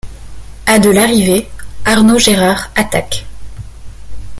À de l'arrivée, Arnaud Gérard attaque.